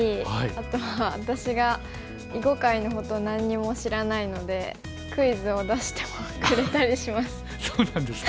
あとは私が囲碁界のことを何にも知らないのでクイズを出してくれたりします。